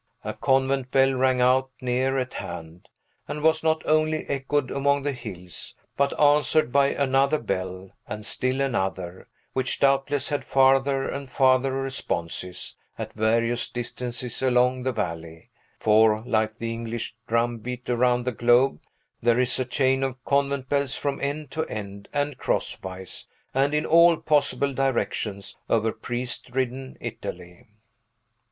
A convent bell rang out near at hand, and was not only echoed among the hills, but answered by another bell, and still another, which doubtless had farther and farther responses, at various distances along the valley; for, like the English drumbeat around the globe, there is a chain of convent bells from end to end, and crosswise, and in all possible directions over priest ridden Italy.